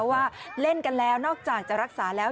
ว่าเล่นกันแล้วนอกจากจะรักษาแล้ว